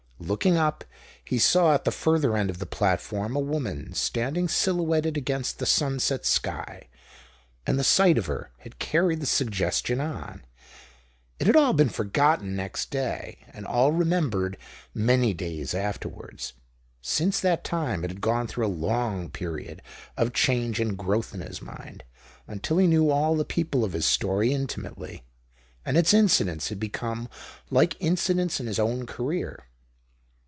Looking up, he saw at the further end of the platform a woman standino; silhouetted ao^ainst the sun set sky, and the sight of her had carried the suggestion on. It had all been forgotten next day, and all remembered many days afterwards. Since that time it had gone through a long period of change and growth in his own mind, until he knew all the people of his story intimately, and its incidents had become like incidents in his own career.